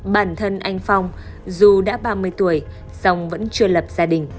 bản thân anh phong dù đã ba mươi tuổi song vẫn chưa lập gia đình